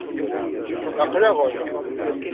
Aql-aɣ-n.